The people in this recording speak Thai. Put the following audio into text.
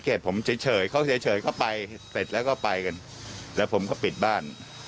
เขาเสร็จก็เขาออกไป